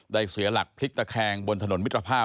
เสียหลักพลิกตะแคงบนถนนมิตรภาพ